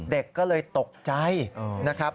เด็กก็เลยตกใจนะครับ